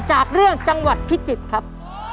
จากเรื่องจังหวัดพิจิตรครับ